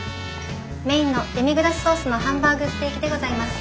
メインのデミグラスソースのハンバーグステーキでございます。